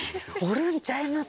おるんちゃいます？